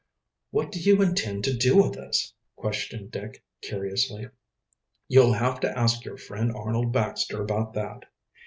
"What do you intend to do with us?" questioned Dick curiously. "You'll have to ask your friend Arnold Baxter about that."